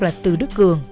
là từ đức cường